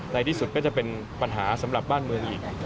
ในที่สุดก็จะเป็นปัญหาสำหรับบ้านเมืองอีก